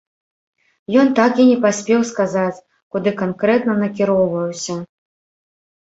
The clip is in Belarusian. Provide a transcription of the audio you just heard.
Ён так і не паспеў сказаць, куды канкрэтна накіроўваўся.